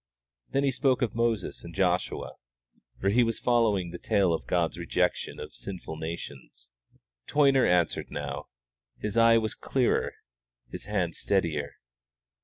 Then he spoke of Moses and of Joshua, for he was following the tale of God's rejection of sinful nations. Toyner answered now. His eye was clearer, his hand steadier.